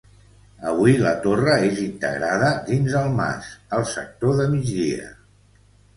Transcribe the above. Avui la torre és integrada dins el mas, al sector de migdia.